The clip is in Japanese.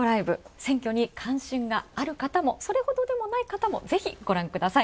選挙に関心がある方もそれほどでもない方もぜひご覧ください。